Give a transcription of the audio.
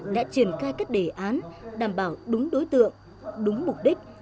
đã triển khai các đề án đảm bảo đúng đối tượng đúng mục đích